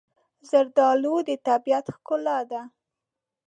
زردالو د طبیعت ښکلا ده.